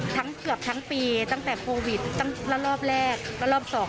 เกือบทั้งปีตั้งแต่โควิดตั้งละรอบแรกและรอบสอง